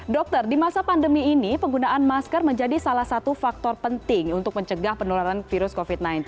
dokter di masa pandemi ini penggunaan masker menjadi salah satu faktor penting untuk mencegah penularan virus covid sembilan belas